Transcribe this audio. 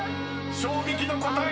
［衝撃の答え